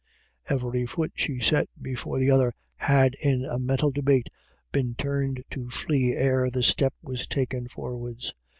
Every foot she set before the other had in a mental debate been turned to flee ere the step was taken forwards.